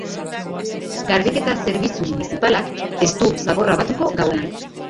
Garbiketa zerbitzu munizipalak ez du zaborra batuko gauean.